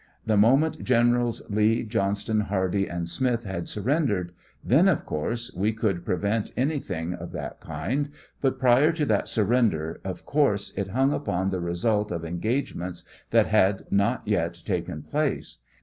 The moment Generals Lee, Johnston, Hardee, and Smith had surrendered, then, of course, we could pre 65 vent anythtngof that kind, but prior to that surrender, of course it hung upon the result of engagements. that had not yet taken place.